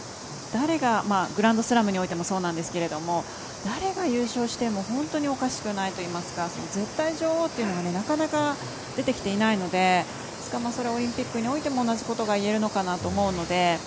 今、特に女子というのはグランドスラムにおいてもそうなんですけど誰が優勝してもおかしくないといいますか絶対女王というのがなかなか出てきていないのでオリンピックにおいても同じことが言えると思うので。